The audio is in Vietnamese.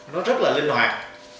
nó rất là linh hoạt